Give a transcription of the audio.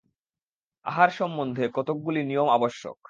আহার সম্বন্ধে কতকগুলি নিয়ম আবশ্যক।